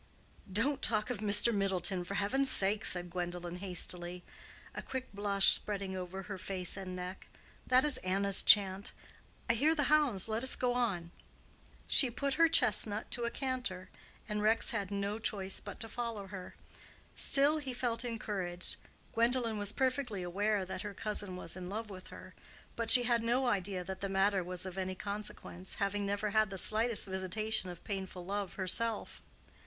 "Don't talk of Mr. Middleton, for heaven's sake," said Gwendolen, hastily, a quick blush spreading over her face and neck; "that is Anna's chant. I hear the hounds. Let us go on." She put her chestnut to a canter, and Rex had no choice but to follow her. Still he felt encouraged. Gwendolen was perfectly aware that her cousin was in love with her; but she had no idea that the matter was of any consequence, having never had the slightest visitation of painful love herself.